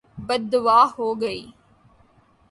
بدعا ہو گئی